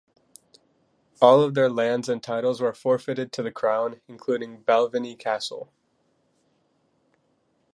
All of their lands and titles were forfeited to the Crown, including Balvenie Castle.